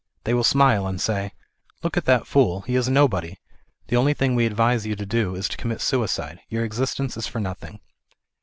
they will smile, and say " Look at that fool; he is nobody; the only thing we advise you to do is to commit suicide ; your existence is for nothing."